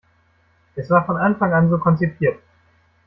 Es war von Anfang an so konzipiert.